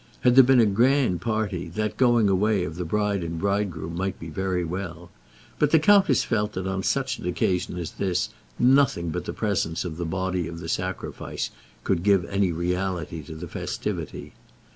Had there been a grand party, that going away of the bride and bridegroom might be very well; but the countess felt that on such an occasion as this nothing but the presence of the body of the sacrifice could give any reality to the festivity.